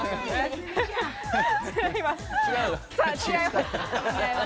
違います。